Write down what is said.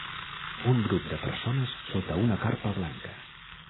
un grup de persones sota una carpa blanca.